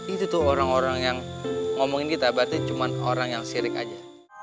itu tuh orang orang yang ngomongin kita berarti cuma orang yang syirik aja